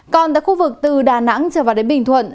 còn tại khu vực từ đà nẵng trở vào đến bình thuận